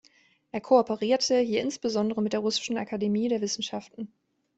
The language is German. Er kooperierte hier insbesondere mit der Russischen Akademie der Wissenschaften.